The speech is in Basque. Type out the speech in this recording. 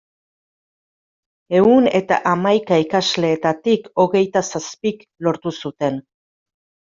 Ehun eta hamaika ikasleetatik hogeita zazpik lortu zuten.